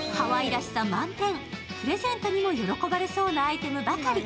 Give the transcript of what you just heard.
プレゼントにも喜ばれそうなアイテムばかり。